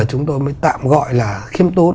chúng tôi mới tạm gọi là khiêm tốn